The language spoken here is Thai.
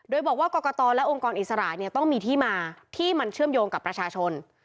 โดยบอกว่ากรกตและองค์กรอิสระเนี่ยต้องมีที่มาที่มันเชื่อมโยงกับประชาชน